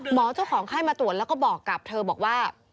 เจ้าของไข้มาตรวจแล้วก็บอกกับเธอบอกว่า